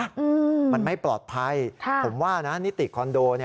อืมมันไม่ปลอดภัยค่ะผมว่านะนิติคอนโดเนี้ย